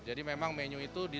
jadi memang menu itu